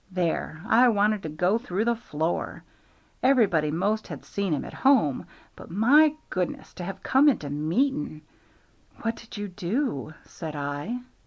There! I wanted to go through the floor. Everybody 'most had seen him at home, but, my goodness! to have him come into meeting!" "What did you do?" said I.